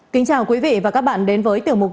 kính chào quý vị và các bạn đến với tiểu mục